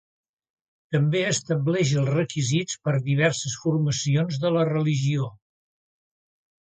També estableix els requisits per diverses formacions de la religió.